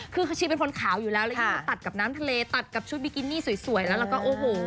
คือชีพเป็นคนขาวอยู่แล้วตัดกับน้ำทะเลตัดกับชุดบิกินี่สวยแล้วก็โอ้โห